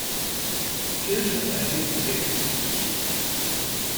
Die Kirche erhielt elektrisches Licht.